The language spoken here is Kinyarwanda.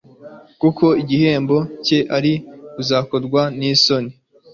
kuko igihembo cye ari ukuzakorwa n'isoni